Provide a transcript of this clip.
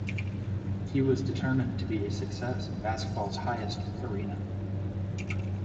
He was determined to be a success in basketball's highest arena.